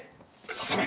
ささめ！